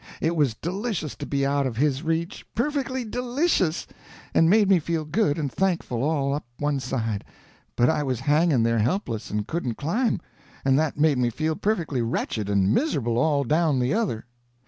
It was delicious to be out of his reach, perfectly delicious, and made me feel good and thankful all up one side; but I was hanging there helpless and couldn't climb, and that made me feel perfectly wretched and miserable all down the other.